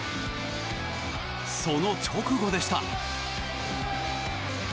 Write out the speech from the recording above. その直後でした。